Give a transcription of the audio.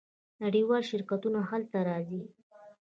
نړیوال شرکتونه هلته راځي.